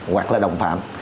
hoặc là đồng phạm